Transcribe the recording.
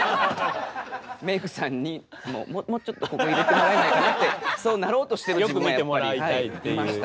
メークさんに「もうちょっとここ入れてもらえないかな」ってそうなろうとしてる自分がやっぱりいました。